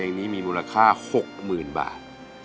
เพลงนี้มีมูลค่า๖๐๐๐บาท